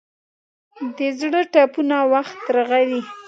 د زړه ټپونه وخت رغوي.